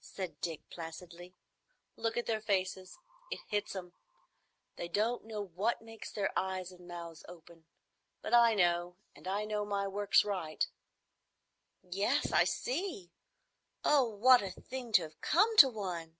said Dick, placidly. "Look at their faces. It hits 'em. They don't know what makes their eyes and mouths open; but I know. And I know my work's right." "Yes. I see. Oh, what a thing to have come to one!"